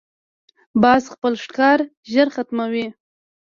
باز خپل ښکار ژر ختموي